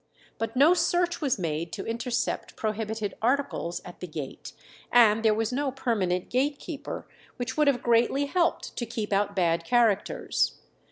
But no search was made to intercept prohibited articles at the gate, and there was no permanent gate keeper, which would have greatly helped to keep out bad characters.